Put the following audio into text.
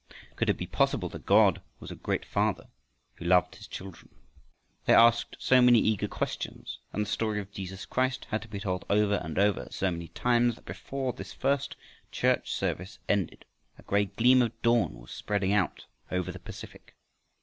Could it be possible that God was a great Father who loved his children? They asked so many eager questions, and the story of Jesus Christ had to be told over and over so many times, that before this first church service ended a gray gleam of dawn was spreading out over the Pacific.